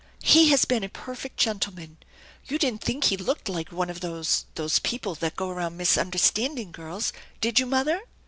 He has been a perfect gentleman. You didn't think he looked like one of those those people that go around misunder standing girls, did you mother?"